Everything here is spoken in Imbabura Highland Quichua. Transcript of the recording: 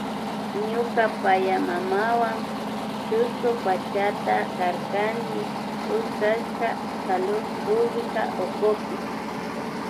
Ñuka payaymamawan chusku pachata karkani utkashka Salud Pública ukupi